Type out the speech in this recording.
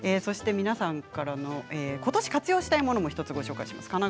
皆さんからのことし活用したいものをご紹介します。